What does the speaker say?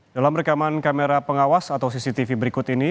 dalam rekaman kamera pengawas atau cctv berikut ini